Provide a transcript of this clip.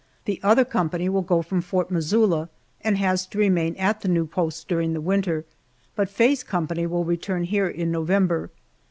The other company will go from Fort Missoula, and has to remain at the new post during the winter, but Faye's company will return here in November.